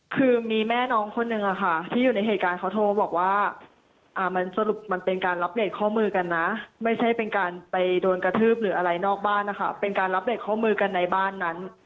คือมีแม่น้องคนนึงค่ะที่อยู่ในเหตุการณ์เขาโทรบอกว่ามันสรุปมันเป็นการรับเบรกข้อมือกันนะไม่ใช่เป็นการไปโดนกระทืบหรืออะไรนอกบ้านนะคะเป็นการรับเบรกข้อมือกันในบ้านนั้น